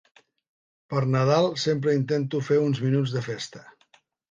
Per Nadal sempre intento fer uns minuts de festa.